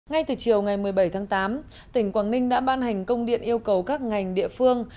ngay từ chiều ngày một mươi bảy tháng tám tỉnh quảng ninh đã ban hành công điện yêu cầu các ngành địa phương